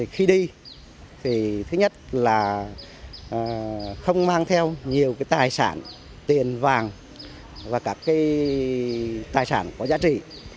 khi đi thì thứ nhất là không mang theo nhiều tài sản tiền vàng và các tài sản có giá trị